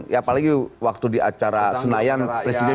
ya apalagi waktu di acara senayan presiden